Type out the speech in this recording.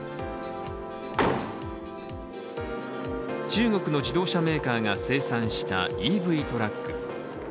中国の自動車メーカーが生産したＥＶトラック。